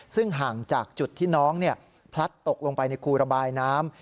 ซึ่งห่างจากจุดที่น้องพลัดตกลงไปในครูระบายน้ำ